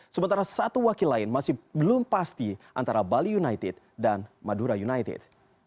sementara satu wakil lain masih belum pasti antara bali united dan madura united